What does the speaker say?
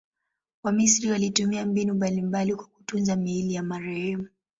Wamisri walitumia mbinu mbalimbali kwa kutunza miili ya marehemu.